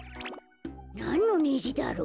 なんのねじだろう？